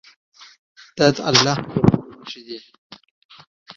دا د الله د لویۍ نښې دي.